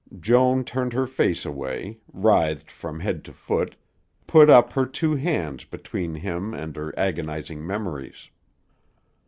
Joan turned her face away, writhed from head to foot, put up her two hands between him and her agonizing memories.